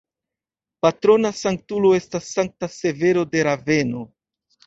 Patrona sanktulo estas Sankta Severo de Raveno.